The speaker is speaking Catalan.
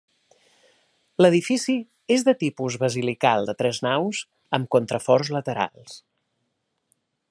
L'edifici és de tipus basilical, de tres naus, amb contraforts laterals.